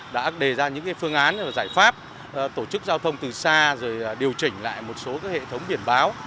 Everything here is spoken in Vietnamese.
đã đề ra những phương án giải pháp tổ chức giao thông từ xa rồi điều chỉnh lại một số hệ thống biển báo